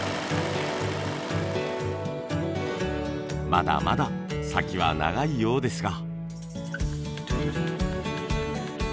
まだまだ先は長いようですが。